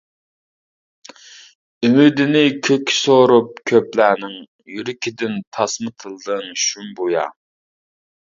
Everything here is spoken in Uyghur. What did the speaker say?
ئۈمىدىنى كۆككە سورۇپ كۆپلەرنىڭ، يۈرىكىدىن تاسما تىلدىڭ شۇمبۇيا.